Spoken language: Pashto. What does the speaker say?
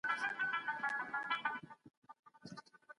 په سیاست کې د قدرت شتون لازمي دی.